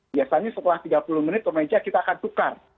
biasanya setelah tiga puluh menit kemeja kita akan tukar